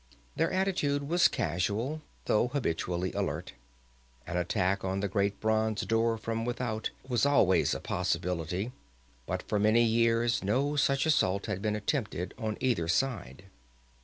Their attitude was casual, though habitually alert. An attack on the great bronze door from without was always a possibility, but for many years no such assault had been attempted on either side.